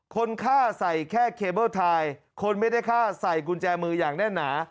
คนฆ่าใส่แค่เคเบิ้ลทายคนไม่ได้ฆ่าใส่กุญแจมืออย่างแน่นหนา